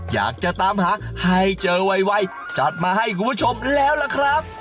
อยากจะตามหาให้เจอไวจัดมาให้คุณผู้ชมแล้วล่ะครับ